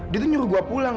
dia tuh nyuruh gue pulang